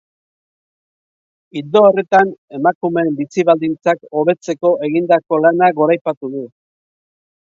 Ildo horretan, emakumeen bizi-baldintzak hobetzeko egindako lana goraipatu du.